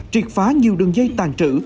triệt phá nhiều đường dây tàn trữ